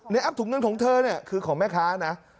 อัพถุงเงินของเธอเนี่ยคือของแม่ค้านะ